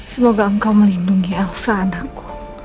semoga engkau melindungi elsa anakku